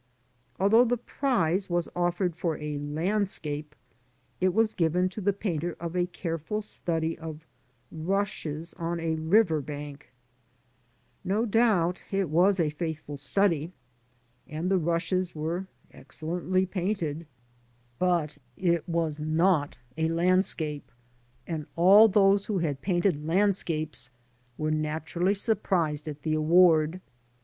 Although the prize was offered for a landscape, it was given to the painter of a careful study of rushes on a river bank. No doubt it was a faithful study, and the rushes were excellently painted, * See chapter on <* Grass " (p. 73). P io6 LANDSCAPE PAINTING IN OIL COLOUR. but it was not a landscape; and all those who had painted landscapes were naturally surprised at the award.